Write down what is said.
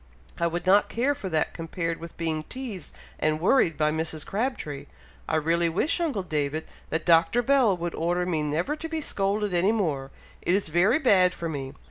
"I would not care for that compared with being teazed and worried by Mrs. Crabtree. I really wish, uncle David, that Dr. Bell would order me never to be scolded any more! It is very bad for me!